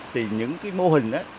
thì những cái mô hình đó